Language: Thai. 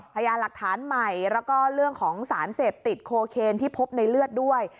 พยายามหลักฐานใหม่แล้วก็เรื่องของสารเสพติดโคเคนที่พบในเลือดด้วย